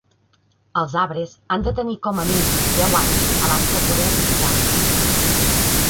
Els arbres han de tenir com a mínim deu anys abans de poder aprofitar-los.